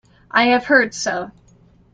I have heard so.